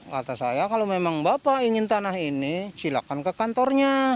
kata saya kalau memang bapak ingin tanah ini silakan ke kantornya